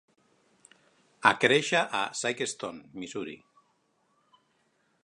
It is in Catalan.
A créixer a Sikeston, Missouri.